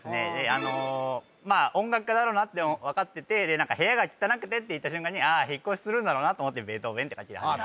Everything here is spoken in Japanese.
あのまあ音楽家だろうなって分かってて「部屋が汚くて」って言った瞬間にああ引っ越しするんだろうなと思ってベートーヴェンって書き始め